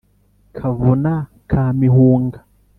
kavuna ka mihunga.